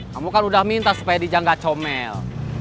kamu kan udah minta supaya dija gak comel